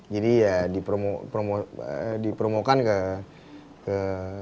jadi ya dipromo dipromokan ke ke